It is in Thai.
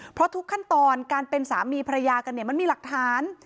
เพราะทุกขั้นตอนการเป็นสามีภรรยากันเนี่ยมันมีหลักฐาน